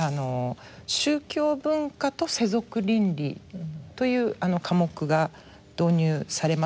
宗教文化と世俗倫理という科目が導入されました。